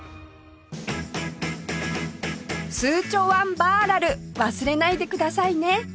スーチョワンバーラル忘れないでくださいね！